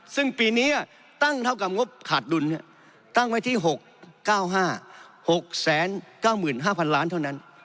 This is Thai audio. ซึ่งปีนี้ตั้งเท่ากับงบขาดดุลตั้งไว้ที่๖๙๕หกแสนเก้าหมื่นห้าพันล้านเท่านั้น